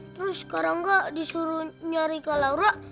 terus karangga disuruh nyari kak laura